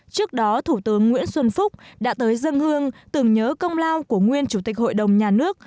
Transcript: trước đó thủ tướng nguyễn xuân phúc đã tới dân hương tưởng nhớ công lao của nguyên chủ tịch hội đồng nhà nước